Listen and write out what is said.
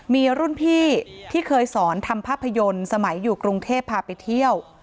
มีรุ่นพี่ที่เคยสอนทำภาพยนตร์สมัยอยู่กรุงเทพพาไปเที่ยว